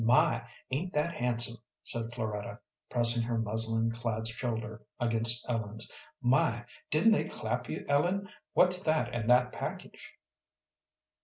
"My, ain't that handsome!" said Floretta, pressing her muslin clad shoulder against Ellen's. "My, didn't they clap you, Ellen! What's that in that package?"